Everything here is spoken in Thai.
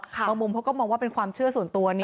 มุมเขาก็มองว่าเป็นความเชื่อส่วนตัว